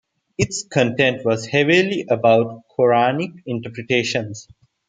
Its content was heavily about the Quranic interpretations.